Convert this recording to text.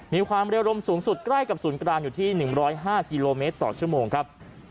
มีความเร็วลมสูงสุดใกล้กับศูนย์กลางอยู่ที่๑๐๕กิโลเมตรต่อชั่วโมงครับ